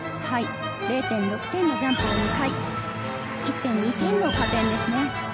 ０．６点のジャンプを２回、１．２点の加点ですね。